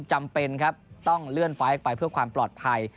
จำเป็นครับต้องเลื่อนไฟล์ไปเพื่อความปลอดภัย